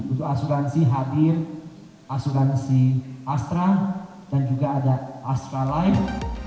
untuk asuransi hadir asuransi astra dan juga ada astra lain